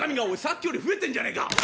おいさっきより増えてんじゃねえか。